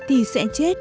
thì sẽ chết